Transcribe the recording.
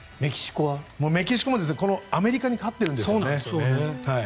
メキシコもアメリカに勝ってるんですよね。